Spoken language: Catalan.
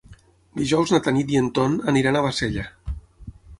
Dijous na Tanit i en Ton aniran a Bassella.